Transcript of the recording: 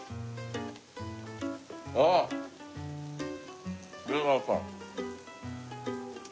ああっ出川さん。